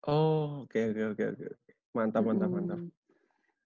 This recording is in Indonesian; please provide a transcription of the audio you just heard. oh oke oke mantap mantap mantap